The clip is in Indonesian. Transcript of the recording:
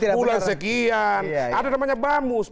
bulan sekian ada namanya bamus